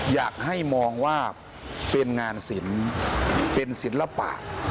อยากให้มองว่าเป็นงานศิลป์เป็นศิลปะ